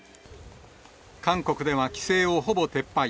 韓国では規制をほぼ撤廃。